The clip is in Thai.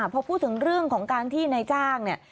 พอพูดถึงเรื่องของการที่นายจ้างเนี่ย